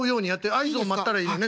合図を待ったらいいのね。